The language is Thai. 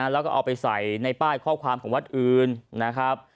แล้วก็เอาไปใส่ในป้ายข้อความของวัดอื่นนะครับ